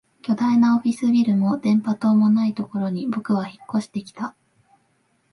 巨大なオフィスビルも電波塔もないところに僕は引っ越してきた